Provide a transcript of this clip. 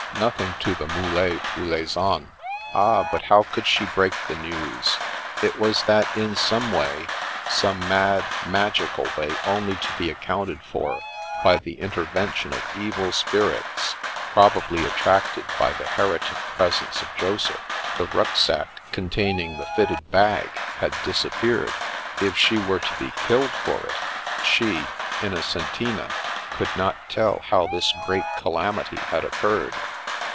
Nothing to the mulet ou les anes. Ah, but how could she break the news ? It was that in some way — ^some mad, magical way only to be accounted for by the intervention of evil spirits, probably attracted The Path of the Moon 171 by the heretic presence of Joseph — ^the rucksack con taining the fitted bag had disappeared. If she were to be killed for it, she — Innocentina— coulcj not tell how this great calamity had occurred.